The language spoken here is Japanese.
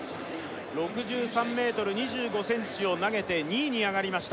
６３ｍ２５ｃｍを投げて２位に上がりました